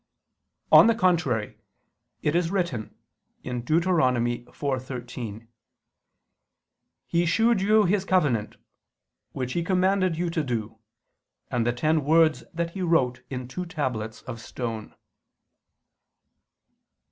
On the contrary, It is written (Deut. 4:13): "He shewed you His covenant, which He commanded you to do, and the ten words that He wrote in two tablets of stone."